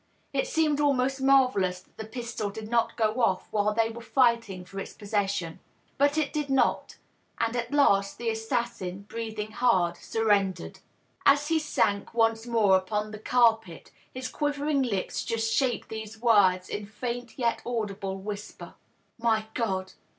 It seemS almost marvellous that the pistol did not go off while they were fighting for its possession. But it did not ; and at last the assassin, breathing hard, surrendered. As he sank once 536 DOUGLAS DUANE. more upon the carpet, his quivering lips just shaped these words, in faint yet audible whisper :" My God!